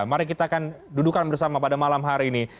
mari kita akan dudukan bersama pada malam hari ini